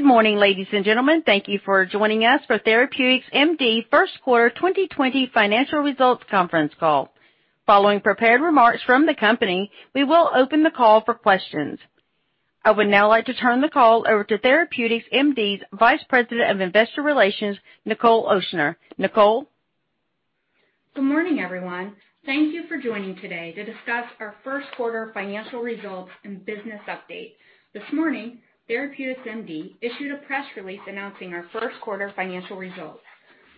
Good morning, ladies and gentlemen. Thank you for joining us for TherapeuticsMD First Quarter 2021 Financial Results Conference Call. Following prepared remarks from the company, we will open the call for questions. I would now like to turn the call over to TherapeuticsMD's Vice President of Investor Relations, Nichol Ochsner. Nichol? Good morning, everyone. Thank you for joining today to discuss our first quarter financial results and business update. This morning, TherapeuticsMD issued a press release announcing our first quarter financial results.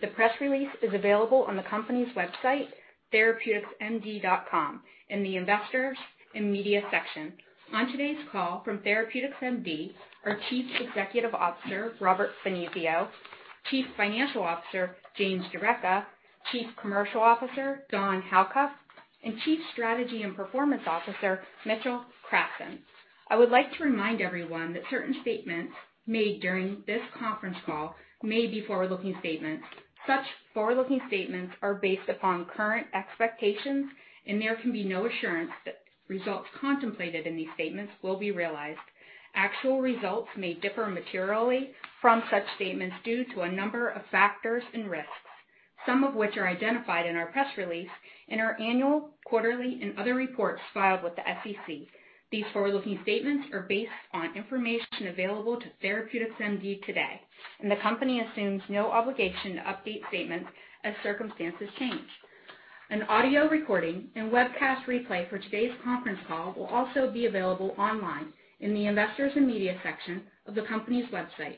The press release is available on the company's website, therapeuticsmd.com, in the Investors and Media section. On today's call from TherapeuticsMD, our Chief Executive Officer, Robert Finizio, Chief Financial Officer, James D'Arecca, Chief Commercial Officer, Dawn Halkuff, and Chief Strategy and Performance Officer, Mitchell Krassan. I would like to remind everyone that certain statements made during this conference call may be forward-looking statements. Such forward-looking statements are based upon current expectations, and there can be no assurance that results contemplated in these statements will be realized. Actual results may differ materially from such statements due to a number of factors and risks, some of which are identified in our press release, in our annual, quarterly, and other reports filed with the SEC. These forward-looking statements are based on information available to TherapeuticsMD today, and the company assumes no obligation to update statements as circumstances change. An audio recording and webcast replay for today's conference call will also be available online in the Investors and Media section of the company's website.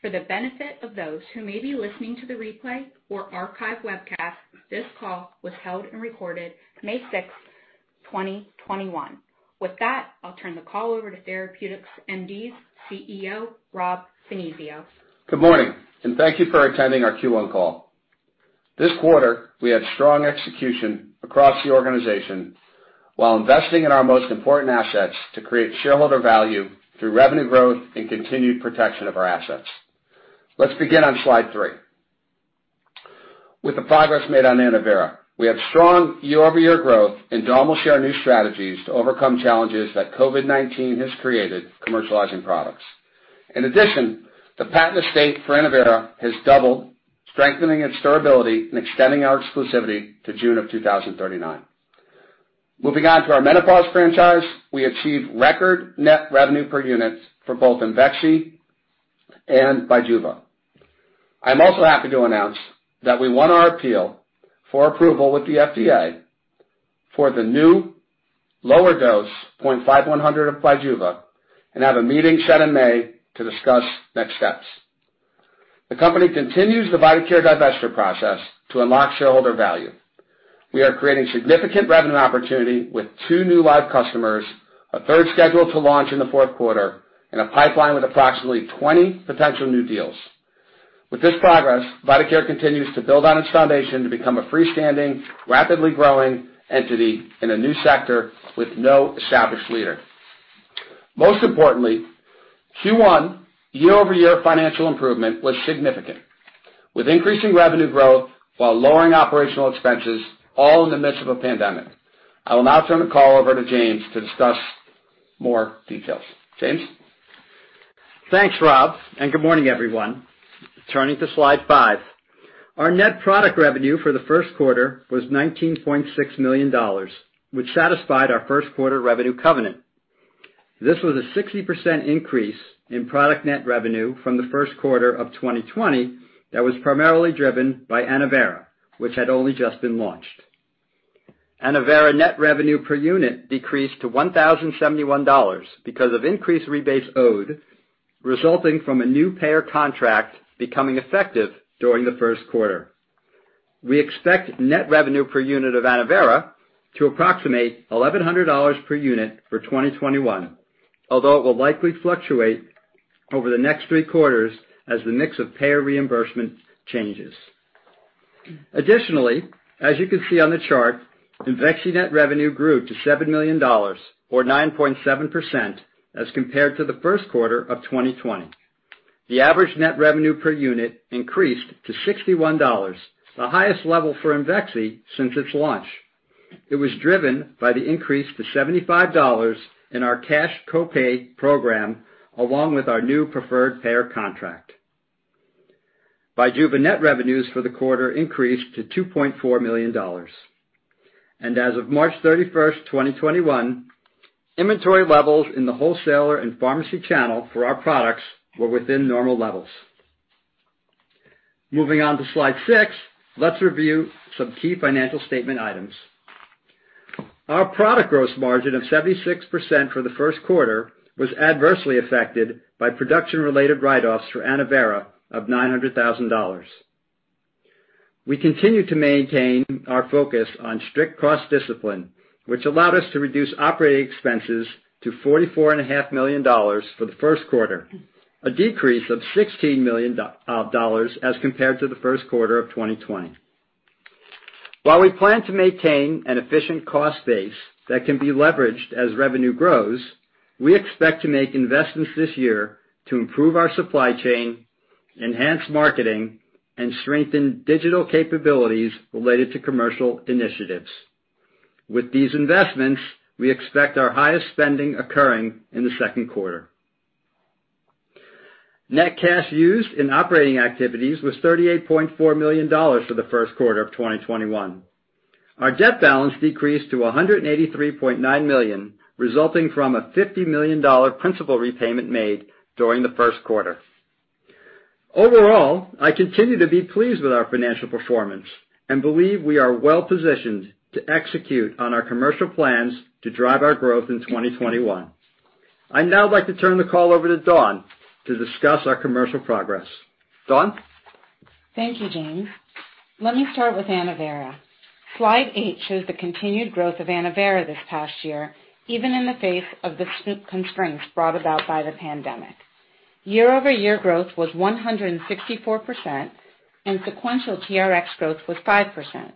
For the benefit of those who may be listening to the replay or archive webcast, this call was held and recorded May 6, 2021. With that, I'll turn the call over to TherapeuticsMD's CEO, Rob Finizio. Good morning, and thank you for attending our Q1 call. This quarter, we had strong execution across the organization while investing in our most important assets to create shareholder value through revenue growth and continued protection of our assets. Let's begin on slide three. With the progress made on ANNOVERA, we have strong year-over-year growth and dominant share new strategies to overcome challenges that COVID-19 has created commercializing products. In addition, the patent estate for ANNOVERA has doubled, strengthening its durability and extending our exclusivity to June of 2039. Moving on to our menopause franchise. We achieved record net revenue per units for both IMVEXXY and BIJUVA. I'm also happy to announce that we won our appeal for approval with the FDA for the new lower dose 0.5 mg/100 mg of BIJUVA, and have a meeting set in May to discuss next steps. The company continues the VitaCare divestiture process to unlock shareholder value. We are creating significant revenue opportunity with two new live customers, a third scheduled to launch in the fourth quarter, and a pipeline with approximately 20 potential new deals. With this progress, VitaCare continues to build on its foundation to become a freestanding, rapidly growing entity in a new sector with no established leader. Most importantly, Q1 year-over-year financial improvement was significant. With increasing revenue growth while lowering operational expenses, all in the midst of a pandemic. I will now turn the call over to James to discuss more details. James? Thanks, Rob, and good morning, everyone. Turning to slide five. Our net product revenue for the first quarter was $19.6 million, which satisfied our first quarter revenue covenant. This was a 60% increase in product net revenue from the first quarter of 2020 that was primarily driven by ANNOVERA, which had only just been launched. ANNOVERA net revenue per unit decreased to $1,071 because of increased rebates owed, resulting from a new payer contract becoming effective during the first quarter. We expect net revenue per unit of ANNOVERA to approximate $1,100 per unit for 2021, although it will likely fluctuate over the next three quarters as the mix of payer reimbursement changes. Additionally, as you can see on the chart, IMVEXXY net revenue grew to $7 million, or 9.7% as compared to the first quarter of 2020. The average net revenue per unit increased to $61, the highest level for IMVEXXY since its launch. It was driven by the increase to $75 in our cash co-pay program, along with our new preferred payer contract. BIJUVA net revenues for the quarter increased to $2.4 million. As of March 31st, 2021, inventory levels in the wholesaler and pharmacy channel for our products were within normal levels. Moving on to slide six, let's review some key financial statement items. Our product gross margin of 76% for the first quarter was adversely affected by production-related write-offs for ANNOVERA of $900,000. We continue to maintain our focus on strict cost discipline, which allowed us to reduce operating expenses to $44.5 million for the first quarter, a decrease of $16 million as compared to the first quarter of 2020. While we plan to maintain an efficient cost base that can be leveraged as revenue grows, we expect to make investments this year to improve our supply chain, enhance marketing, and strengthen digital capabilities related to commercial initiatives. With these investments, we expect our highest spending occurring in the second quarter. Net cash used in operating activities was $38.4 million for the first quarter of 2021. Our debt balance decreased to $183.9 million, resulting from a $50 million principal repayment made during the first quarter. Overall, I continue to be pleased with our financial performance and believe we are well-positioned to execute on our commercial plans to drive our growth in 2021. I'd now like to turn the call over to Dawn to discuss our commercial progress. Dawn? Thank you, James. Let me start with ANNOVERA. Slide eight shows the continued growth of ANNOVERA this past year, even in the face of the constraints brought about by the pandemic. Year-over-year growth was 164%, and sequential TRx growth was 5%.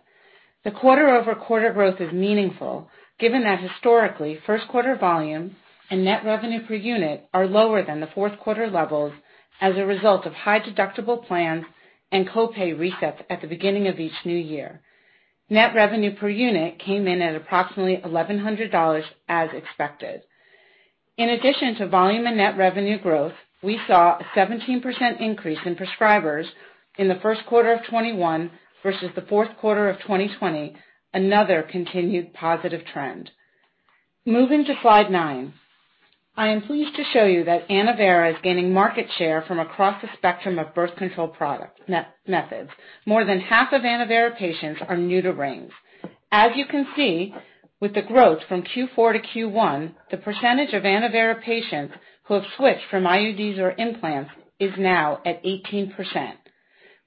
The quarter-over-quarter growth is meaningful, given that historically, first quarter volume and net revenue per unit are lower than the fourth quarter levels as a result of high deductible plans and co-pay resets at the beginning of each new year. Net revenue per unit came in at approximately $1,100 as expected. In addition to volume and net revenue growth, we saw a 17% increase in prescribers in the first quarter of 2021 versus the fourth quarter of 2020, another continued positive trend. Moving to slide nine. I am pleased to show you that ANNOVERA is gaining market share from across the spectrum of birth control product methods. More than half of ANNOVERA patients are new to rings. As you can see, with the growth from Q4 to Q1, the percentage of ANNOVERA patients who have switched from IUDs or implants is now at 18%.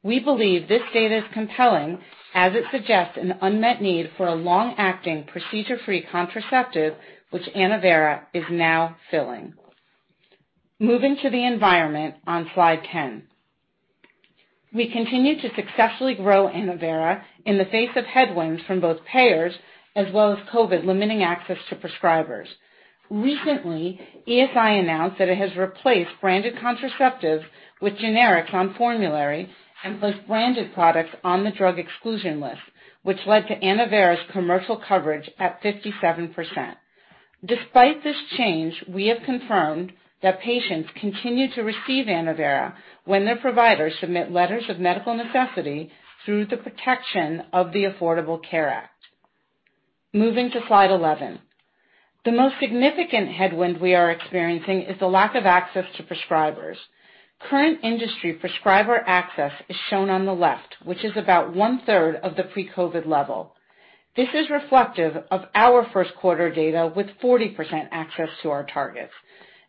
We believe this data is compelling as it suggests an unmet need for a long-acting, procedure-free contraceptive, which ANNOVERA is now filling. Moving to the environment on slide 10. We continue to successfully grow ANNOVERA in the face of headwinds from both payers as well as COVID limiting access to prescribers. Recently, ESI announced that it has replaced branded contraceptives with generics on formulary and put branded products on the drug exclusion list, which led to ANNOVERA's commercial coverage at 57%. Despite this change, we have confirmed that patients continue to receive ANNOVERA when their providers submit Letters of Medical Necessity through the protection of the Affordable Care Act. Moving to slide 11. The most significant headwind we are experiencing is the lack of access to prescribers. Current industry prescriber access is shown on the left, which is about one-third of the pre-COVID level. This is reflective of our first quarter data with 40% access to our targets.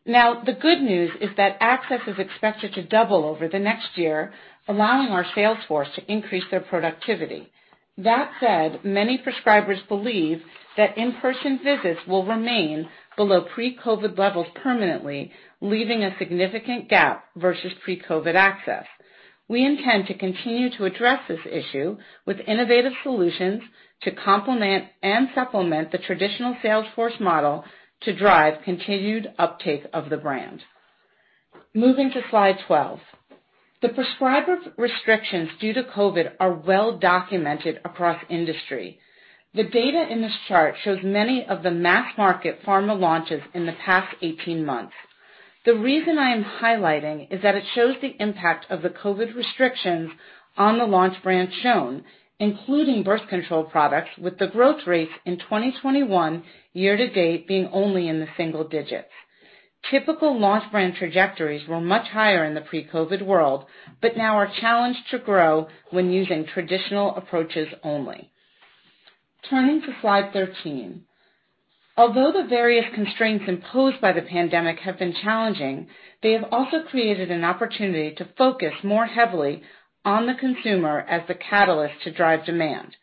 The good news is that access is expected to double over the next year, allowing our sales force to increase their productivity. That said, many prescribers believe that in-person visits will remain below pre-COVID levels permanently, leaving a significant gap versus pre-COVID access. We intend to continue to address this issue with innovative solutions to complement and supplement the traditional sales force model to drive continued uptake of the brand. Moving to slide 12. The prescriber restrictions due to COVID are well documented across industry. The data in this chart shows many of the mass market pharma launches in the past 18 months. The reason I am highlighting is that it shows the impact of the COVID restrictions on the launch brands shown, including birth control products, with the growth rates in 2021 year to date being only in the single digits. Typical launch brand trajectories were much higher in the pre-COVID world, but now are challenged to grow when using traditional approaches only. Turning to slide 13. Although the various constraints imposed by the pandemic have been challenging, they have also created an opportunity to focus more heavily on the consumer as the catalyst to drive demand.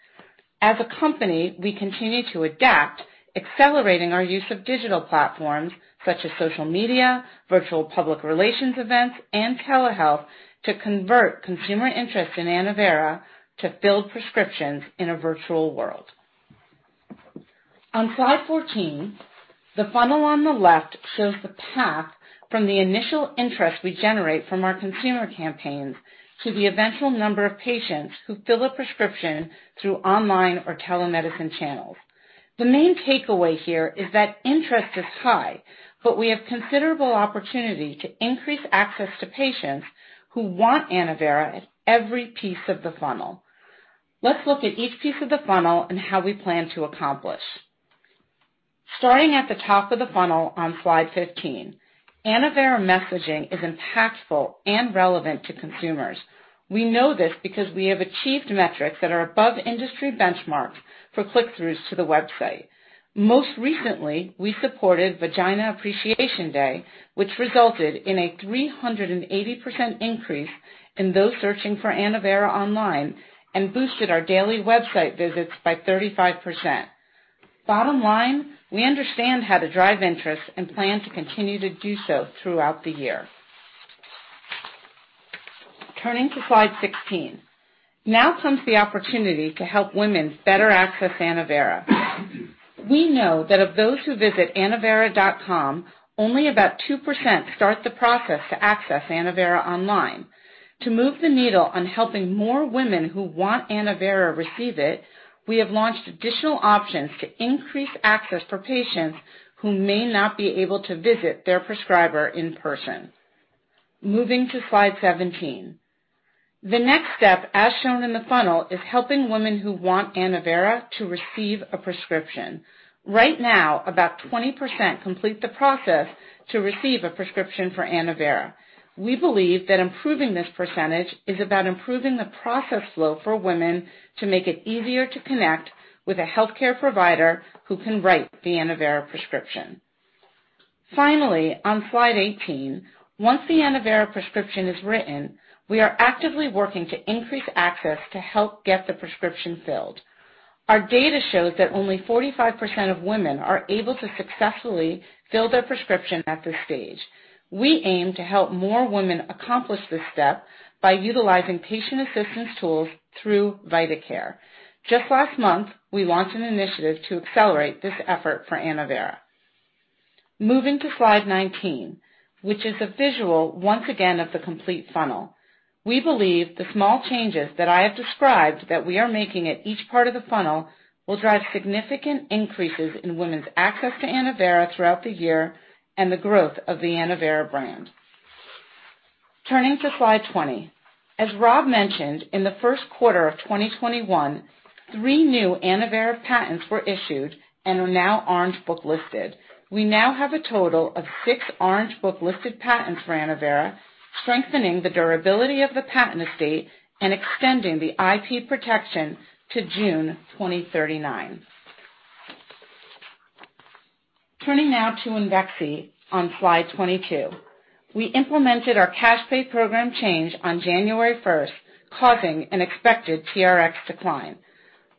As a company, we continue to adapt, accelerating our use of digital platforms such as social media, virtual public relations events, and telehealth to convert consumer interest in ANNOVERA to filled prescriptions in a virtual world. On slide 14, the funnel on the left shows the path from the initial interest we generate from our consumer campaigns to the eventual number of patients who fill a prescription through online or telemedicine channels. The main takeaway here is that interest is high, but we have considerable opportunity to increase access to patients who want ANNOVERA at every piece of the funnel. Let's look at each piece of the funnel and how we plan to accomplish. Starting at the top of the funnel on slide 15. ANNOVERA messaging is impactful and relevant to consumers. We know this because we have achieved metrics that are above industry benchmarks for click-throughs to the website. Most recently, we supported Vagina Appreciation Day, which resulted in a 380% increase in those searching for ANNOVERA online and boosted our daily website visits by 35%. Bottom line, we understand how to drive interest and plan to continue to do so throughout the year. Turning to slide 16. Now comes the opportunity to help women better access ANNOVERA. We know that of those who visit annovera.com, only about 2% start the process to access ANNOVERA online. To move the needle on helping more women who want ANNOVERA receive it, we have launched additional options to increase access for patients who may not be able to visit their prescriber in person. Moving to slide 17. The next step, as shown in the funnel, is helping women who want ANNOVERA to receive a prescription. Right now, about 20% complete the process to receive a prescription for ANNOVERA. We believe that improving this percentage is about improving the process flow for women to make it easier to connect with a healthcare provider who can write the ANNOVERA prescription. Finally, on slide 18, once the ANNOVERA prescription is written, we are actively working to increase access to help get the prescription filled. Our data shows that only 45% of women are able to successfully fill their prescription at this stage. We aim to help more women accomplish this step by utilizing patient assistance tools through VitaCare. Just last month, we launched an initiative to accelerate this effort for ANNOVERA. Moving to slide 19, which is a visual, once again, of the complete funnel. We believe the small changes that I have described that we are making at each part of the funnel will drive significant increases in women's access to ANNOVERA throughout the year and the growth of the ANNOVERA brand. Turning to slide 20. As Rob mentioned, in the first quarter of 2021, three new ANNOVERA patents were issued and are now Orange Book-listed. We now have a total of six Orange Book-listed patents for ANNOVERA, strengthening the durability of the patent estate and extending the IP protection to June 2039. Turning now to IMVEXXY on slide 22. We implemented our cash pay program change on January 1st, causing an expected TRx decline.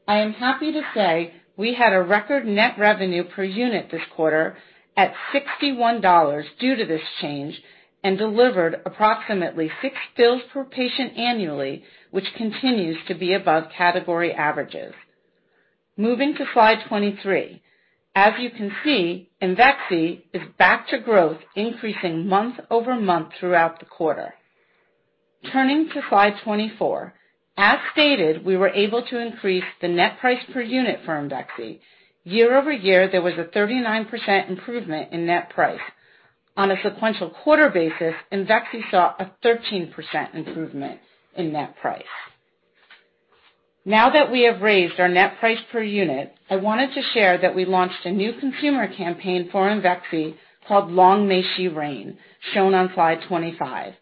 I am happy to say we had a record net revenue per unit this quarter at $61 due to this change and delivered approximately six fills per patient annually, which continues to be above category averages. Moving to slide 23. As you can see, IMVEXXY is back to growth, increasing month-over-month throughout the quarter. Turning to slide 24. As stated, we were able to increase the net price per unit for IMVEXXY. Year-over-year, there was a 39% improvement in net price. On a sequential quarter basis, IMVEXXY saw a 13% improvement in net price. Now that we have raised our net price per unit, I wanted to share that we launched a new consumer campaign for IMVEXXY called Long May She Reign, shown on slide 25.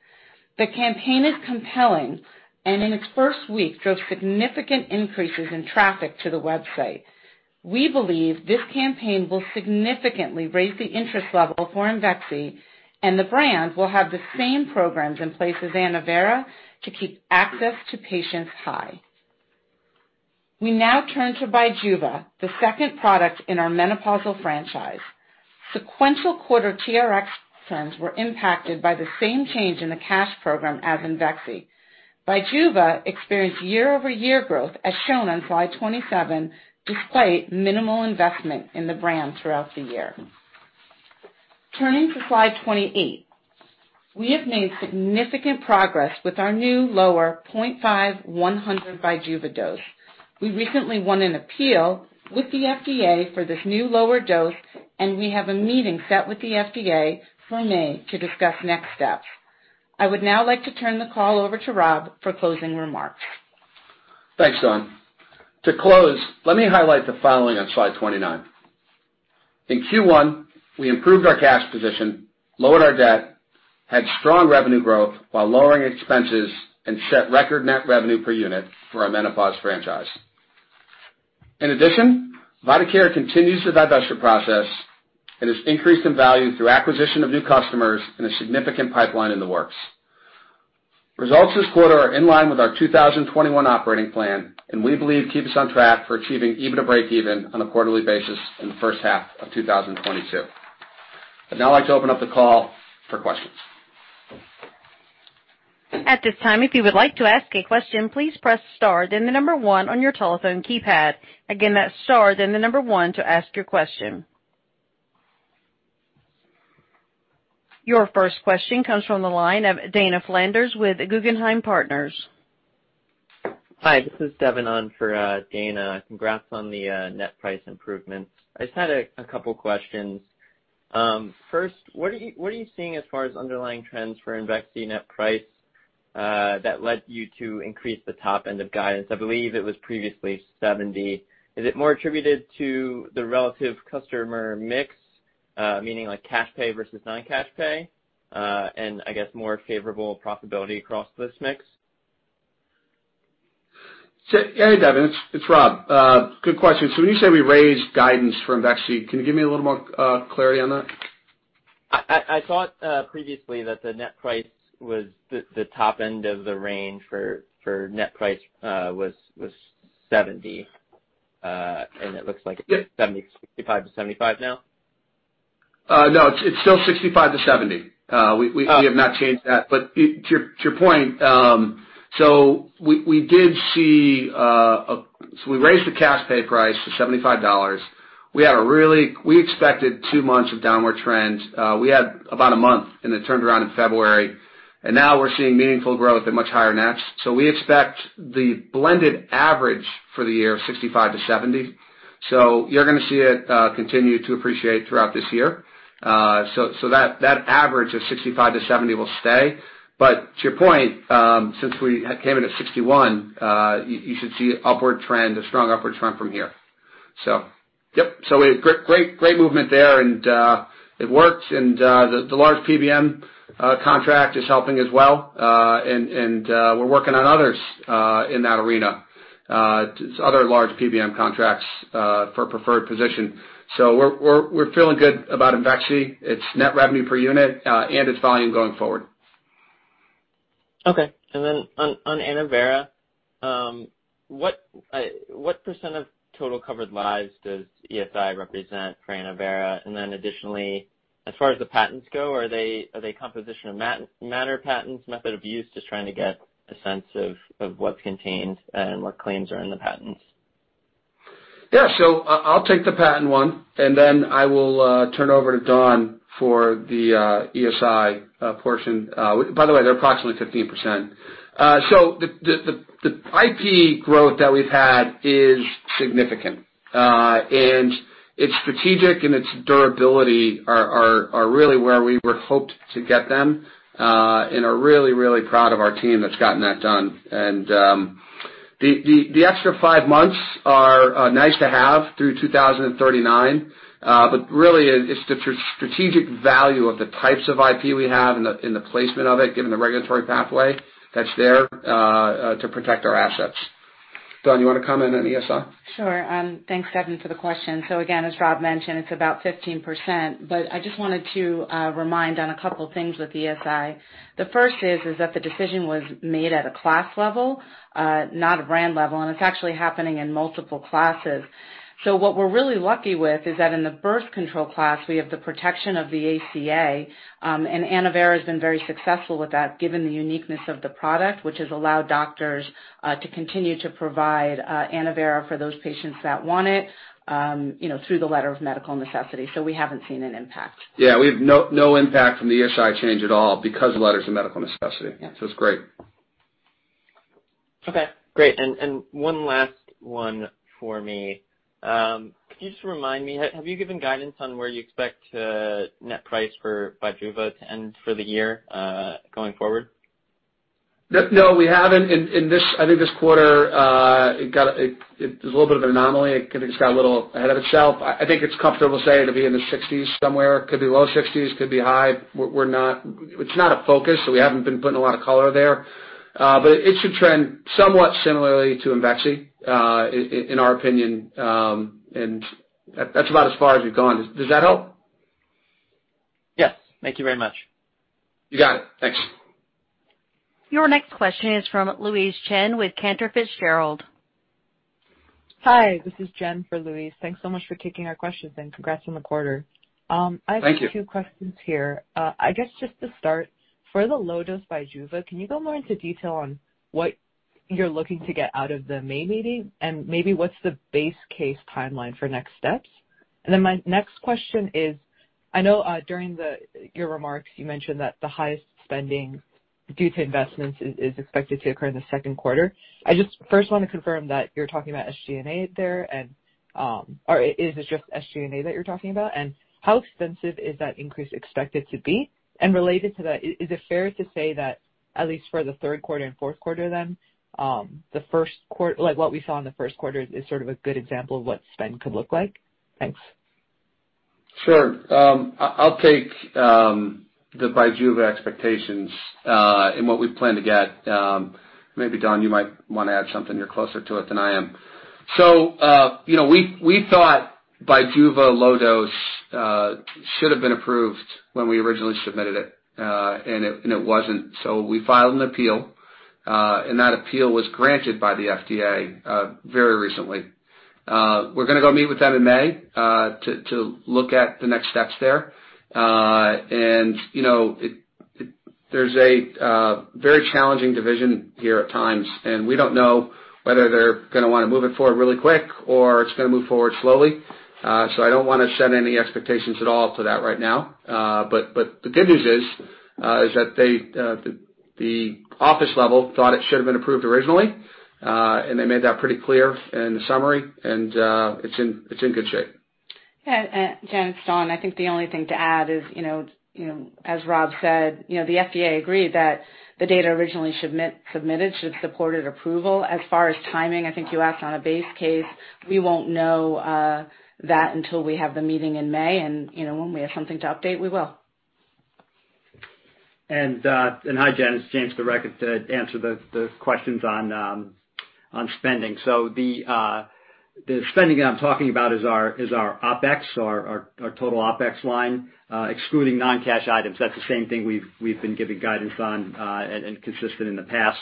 The campaign is compelling, and in its first week, drove significant increases in traffic to the website. We believe this campaign will significantly raise the interest level for IMVEXXY, and the brand will have the same programs in place as ANNOVERA to keep access to patients high. We now turn to BIJUVA, the second product in our menopausal franchise. Sequential quarter TRx trends were impacted by the same change in the cash program as IMVEXXY. BIJUVA experienced year-over-year growth, as shown on slide 27, despite minimal investment in the brand throughout the year. Turning to slide 28. We have made significant progress with our new lower 0.5, 100 BIJUVA dose. We recently won an appeal with the FDA for this new lower dose, and we have a meeting set with the FDA for May to discuss next steps. I would now like to turn the call over to Rob for closing remarks. Thanks, Dawn. To close, let me highlight the following on slide 29. In Q1, we improved our cash position, lowered our debt, had strong revenue growth while lowering expenses, and set record net revenue per unit for our menopause franchise. In addition, VitaCare continues the divestiture process and has increased in value through acquisition of new customers and a significant pipeline in the works. Results this quarter are in line with our 2021 operating plan, and we believe keep us on track for achieving EBITDA breakeven on a quarterly basis in the first half of 2022. I'd now like to open up the call for questions. At this time, if you would like to ask a question, please press star then the number one on your telephone keypad. Again, that's star then the number one to ask your question. Your first question comes from the line of Dana Flanders with Guggenheim Partners. Hi, this is Devin on for Dana. Congrats on the net price improvements. I just had a couple questions. First, what are you seeing as far as underlying trends for IMVEXXY net price that led you to increase the top end of guidance? I believe it was previously 70. Is it more attributed to the relative customer mix, meaning cash pay versus non-cash pay? I guess more favorable profitability across this mix? Hey, Devin. It's Rob. Good question. When you say we raised guidance for IMVEXXY, can you give me a little more clarity on that? I thought previously that the top end of the range for net price was $70. It looks like it's $70-$75 now. No, it's still $65-$70. Oh. We have not changed that. To your point, we raised the cash pay price to $75. We expected two months of downward trends. We had about a month, and it turned around in February, and now we're seeing meaningful growth at much higher nets. We expect the blended average for the year of $65-$70. You're going to see it continue to appreciate throughout this year. That average of $65-$70 will stay. To your point, since we came in at $61, you should see a strong upward trend from here. Yep. A great movement there, and it works. The large PBM contract is helping as well. We're working on others in that arena, other large PBM contracts for preferred position. We're feeling good about IMVEXXY, its net revenue per unit, and its volume going forward. Okay. On ANNOVERA, what percent of total covered lives does ESI represent for ANNOVERA? Additionally, as far as the patents go, are they composition of matter patents, method of use? Just trying to get a sense of what's contained and what claims are in the patents. I'll take the patent one, and then I will turn over to Dawn for the ESI portion. By the way, they're approximately 15%. Its strategic and its durability are really where we would hoped to get them, and are really proud of our team that's gotten that done. The extra five months are nice to have through 2039. Really, it's the strategic value of the types of IP we have and the placement of it, given the regulatory pathway that's there to protect our assets. Dawn, you want to comment on ESI? Sure. Thanks, Devin, for the question. Again, as Rob mentioned, it's about 15%, but I just wanted to remind on a couple things with ESI. The first is that the decision was made at a class level, not a brand level, and it's actually happening in multiple classes. What we're really lucky with is that in the birth control class, we have the protection of the ACA, and ANNOVERA has been very successful with that, given the uniqueness of the product, which has allowed doctors to continue to provide ANNOVERA for those patients that want it through the letter of medical necessity. We haven't seen an impact. Yeah, we have no impact from the ESI change at all because letters of medical necessity. Yeah. It's great. Okay, great. One last one for me. Could you just remind me, have you given guidance on where you expect net price for BIJUVA to end for the year, going forward? No, we haven't. I think this quarter is a little bit of an anomaly. It just got a little ahead of itself. I think it's comfortable to say it'll be in the 60s somewhere. Could be low 60s, could be high. It's not a focus, so we haven't been putting a lot of color there. It should trend somewhat similarly to IMVEXXY, in our opinion. That's about as far as we've gone. Does that help? Yes. Thank you very much. You got it. Thanks. Your next question is from Louise Chen with Cantor Fitzgerald. Hi, this is Jen for Louise. Thanks so much for taking our questions, and congrats on the quarter. Thank you. I have two questions here. I guess just to start, for the low dose BIJUVA, can you go more into detail on what you're looking to get out of the May meeting, and maybe what's the base case timeline for next steps? My next question is, I know during your remarks, you mentioned that the highest spending due to investments is expected to occur in the second quarter. I just first want to confirm that you're talking about SG&A there, or is it just SG&A that you're talking about? How expensive is that increase expected to be? Related to that, is it fair to say that at least for the third quarter and fourth quarter then, what we saw in the first quarter is sort of a good example of what spend could look like? Thanks. Sure. I'll take the BIJUVA expectations, and what we plan to get. Maybe Dawn, you might want to add something. You're closer to it than I am. We thought BIJUVA low dose should have been approved when we originally submitted it, and it wasn't. We filed an appeal, and that appeal was granted by the FDA very recently. We're going to go meet with them in May to look at the next steps there. There's a very challenging division here at times, and we don't know whether they're going to want to move it forward really quick or it's going to move forward slowly. I don't want to set any expectations at all for that right now. The good news is that the office level thought it should have been approved originally. They made that pretty clear in the summary, and it's in good shape. Yeah. Jen, it's Dawn. I think the only thing to add is as Rob said, the FDA agreed that the data originally submitted should've supported approval. As far as timing, I think you asked on a base case. We won't know that until we have the meeting in May, and when we have something to update, we will. Hi, Jen. It's James D'Arecca to answer the questions on spending. The spending I'm talking about is our OPEX, our total OPEX line, excluding non-cash items. That's the same thing we've been giving guidance on, and consistent in the past.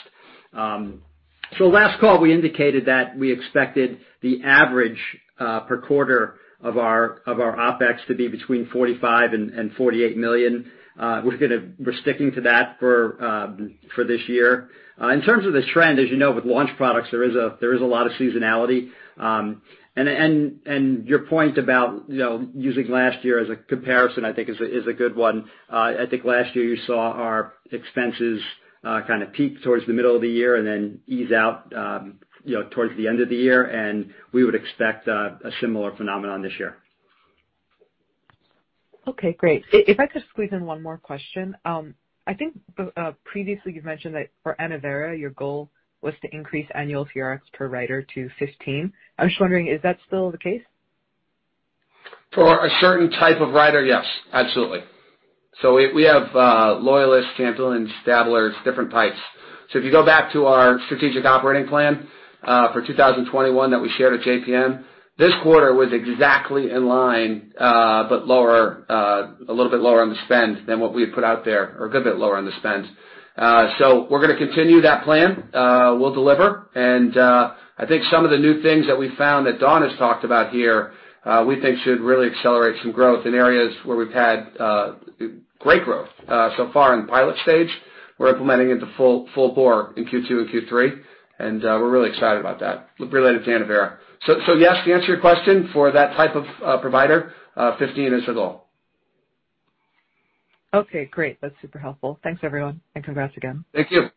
Last call, we indicated that we expected the average per quarter of our OPEX to be between $45 million and $48 million. We're sticking to that for this year. In terms of this trend, as you know, with launch products, there is a lot of seasonality. Your point about using last year as a comparison, I think is a good one. I think last year you saw our expenses kind of peak towards the middle of the year and then ease out towards the end of the year, and we would expect a similar phenomenon this year. Okay, great. If I could squeeze in one more question. I think previously you've mentioned that for ANNOVERA, your goal was to increase annual TRx per writer to 15. I'm just wondering, is that still the case? For a certain type of writer, yes, absolutely. We have loyalists, sampling, stablers, different types. If you go back to our strategic operating plan, for 2021 that we shared at JPM, this quarter was exactly in line, but a little bit lower on the spend than what we had put out there, or a good bit lower on the spend. We're going to continue that plan. We'll deliver. I think some of the new things that we've found that Dawn has talked about here, we think should really accelerate some growth in areas where we've had great growth so far in the pilot stage. We're implementing it to full bore in Q2 and Q3, and we're really excited about that related to ANNOVERA. Yes, to answer your question, for that type of provider, 15 is the goal. Okay, great. That's super helpful. Thanks, everyone, and congrats again. Thank you.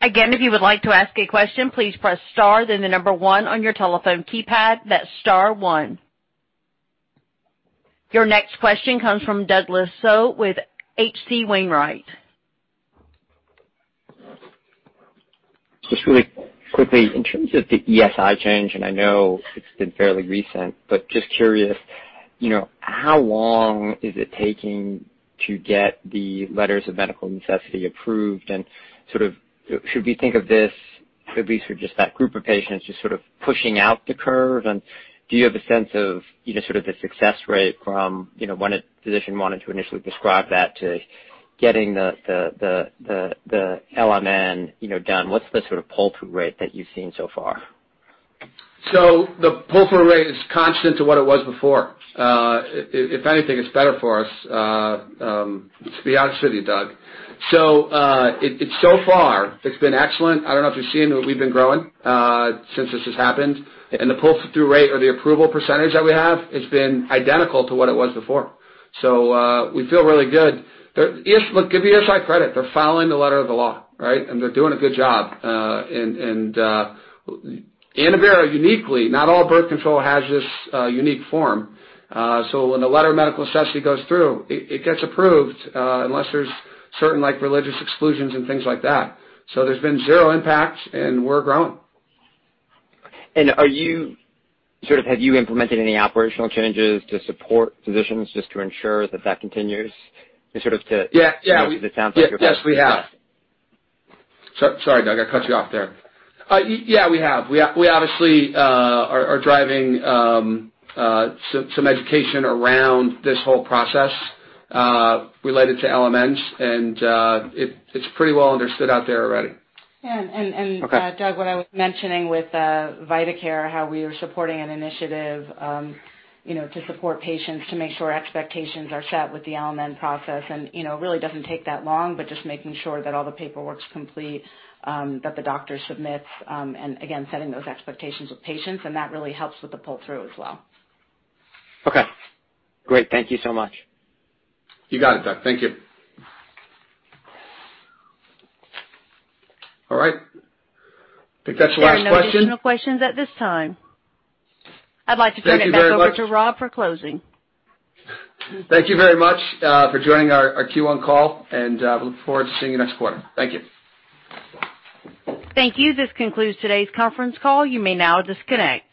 Again, if you would like to ask a question, please press star then the number one on your telephone keypad. That's star one. Your next question comes from Douglas Tsao with H.C. Wainwright. Just really quickly, in terms of the ESI change, and I know it's been fairly recent, but just curious, how long is it taking to get the letters of medical necessity approved and sort of should we think of this, at least for just that group of patients, just sort of pushing out the curve? Do you have a sense of the success rate from when a physician wanted to initially prescribe that to getting the LMN done? What's the sort of pull-through rate that you've seen so far? The pull-through rate is constant to what it was before. If anything, it's better for us, to be honest with you, Doug. So far it's been excellent. I don't know if you've seen, we've been growing since this has happened. The pull-through rate or the approval percentage that we have, it's been identical to what it was before. We feel really good. Give ESI credit, they're following the letter of the law, right? They're doing a good job. ANNOVERA uniquely, not all birth control has this unique form. When the Letter of Medical Necessity goes through, it gets approved, unless there's certain religious exclusions and things like that. There's been zero impact, and we're growing. Have you implemented any operational changes to support physicians just to ensure that that continues? Yeah. It sounds like you're- Yes, we have. Sorry, Doug, I cut you off there. Yeah, we have. We obviously are driving some education around this whole process, related to LMNs, and it's pretty well understood out there already. Yeah. Okay. Doug, what I was mentioning with VitaCare, how we are supporting an initiative to support patients to make sure expectations are set with the LMN process and really doesn't take that long, but just making sure that all the paperwork's complete, that the doctor submits, and again, setting those expectations with patients, and that really helps with the pull-through as well. Okay. Great. Thank you so much. You got it, Doug. Thank you. All right. I think that's the last question. There are no additional questions at this time. Thank you very much. I'd like to turn it back over to Rob for closing. Thank you very much for joining our Q1 call. We look forward to seeing you next quarter. Thank you. Thank you. This concludes today's conference call. You may now disconnect.